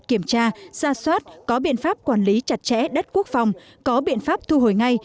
kiểm tra ra soát có biện pháp quản lý chặt chẽ đất quốc phòng có biện pháp thu hồi ngay